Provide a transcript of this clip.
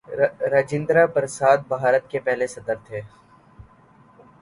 راجندرہ پرساد بھارت کے پہلے صدر تھے.